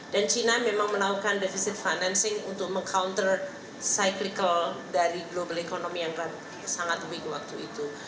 dan china memang melakukan deficit financing untuk meng counter cyclical dari global economy yang kan sangat weak waktu itu